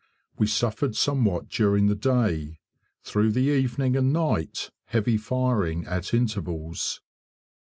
We suffered somewhat during the day. Through the evening and night heavy firing at intervals.